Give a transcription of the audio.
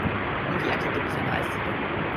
Um die Ecke gibt es eine Eisdiele.